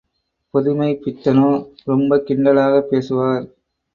புதுமைப் பித்தனோ ரொம்பக் கிண்டலாகப் பேசுவார்.